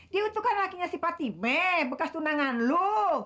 dia itu kan lakinya si patimeh bekas tunangan lu